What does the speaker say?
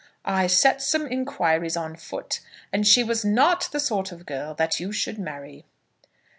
I set some inquiries on foot, and she was not the sort of girl that you should marry."